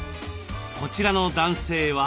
こちらの男性は？